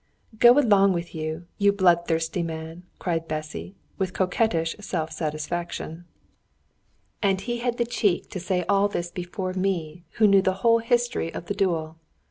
"Go along with you, you bloodthirsty man!" cried Bessy, with coquettish self satisfaction. And he had the cheek to say all this before me who knew the whole history of the duel!